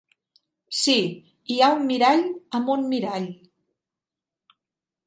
Sí, hi ha un mirall amb un mirall.